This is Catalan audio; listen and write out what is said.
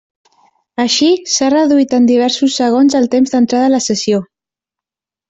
Així, s'ha reduït en diversos segons el temps d'entrada a la sessió.